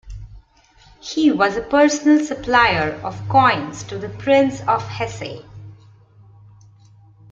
He was a personal supplier of coins to the Prince of Hesse.